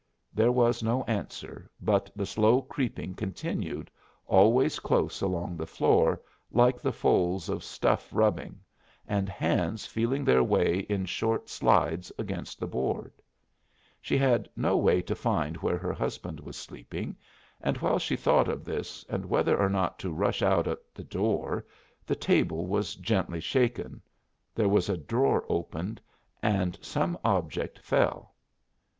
There was no answer, but the slow creeping continued, always close along the floor, like the folds of stuff rubbing, and hands feeling their way in short slides against the boards. She had no way to find where her husband was sleeping, and while she thought of this and whether or not to rush out at the door, the table was gently shaken, there was a drawer opened, and some object fell.